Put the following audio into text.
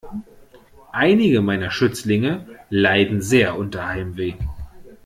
Einige meiner Schützlinge leiden sehr unter Heimweh.